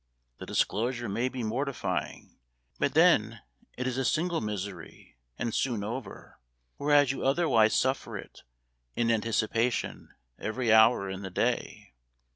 The disclosure may be mortifying; but then it is a single misery, and soon over: whereas you otherwise suffer it, in anticipation, every hour in the day.